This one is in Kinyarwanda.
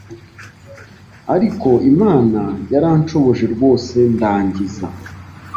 ariko Imana yaranshoboje rwose ndangiza